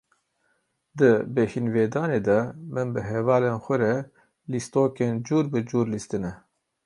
Di bêhinvedanê de, min bi hevalên xwe re lîstokên cur bi cur lîstine.